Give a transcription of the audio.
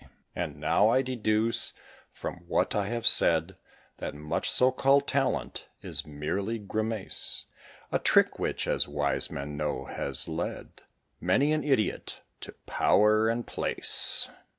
And now I deduce, from what I have said, That much so called talent is mere grimace A trick which, as wise men know, has led Many an idiot to power and place.